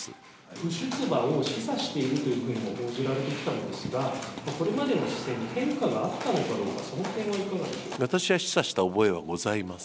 不出馬を示唆しているというふうにも報じられてきたんですが、これまでの姿勢に変化はあったのだろうか、そのへんはいかがです